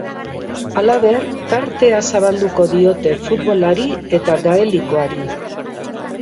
Halaber, tartea zabalduko diote futbolari eta gaelikoari.